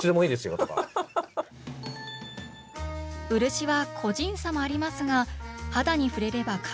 漆は個人差もありますが肌に触れればかぶれるもの。